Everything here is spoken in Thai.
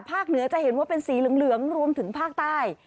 เหนือจะเห็นว่าเป็นสีเหลืองรวมถึงภาคใต้